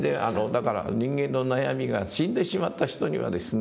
だから人間の悩みが死んでしまった人にはですね